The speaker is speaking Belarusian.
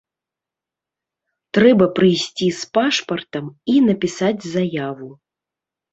Трэба прыйсці з пашпартам і напісаць заяву.